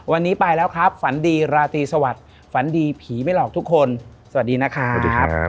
วันนี้ไปแล้วครับฝันดีราตรีสวัสดิ์ฝันดีผีไม่หลอกทุกคนสวัสดีนะครับ